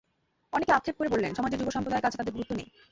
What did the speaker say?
অনেকে আক্ষেপ করে বললেন, সমাজের যুব সম্প্রদায়ের কছে তাঁদের গুরুত্ব নেই।